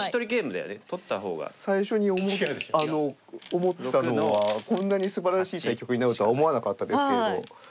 思ってたのはこんなにすばらしい対局になるとは思わなかったですけれど。